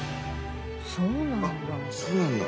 そうなんだ。